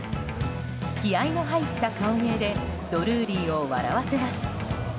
気合の入った顔芸でドルーリーを笑わせます。